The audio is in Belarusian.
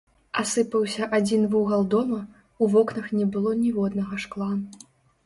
Асыпаўся адзін вугал дома, у вокнах не было ніводнага шкла.